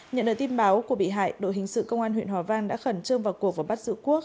nhận được tin báo của bị hại đội hình sự công an huyện hòa vang đã khẩn trương vào cuộc và bắt giữ quốc